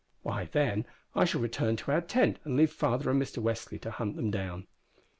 "Why, then, I shall return to our tent and leave father and Mr Westly to hunt them down."